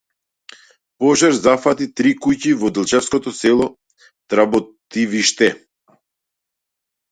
Пожар зафати три куќи во делчевското село Тработивиште